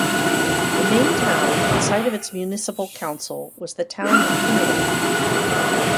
The main town and site of its municipal council was the town of Hinnerup.